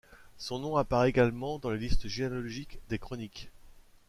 Son nom apparaît également dans les listes généalogiques des Chroniques.